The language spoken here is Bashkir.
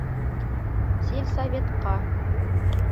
Сельсоветҡа.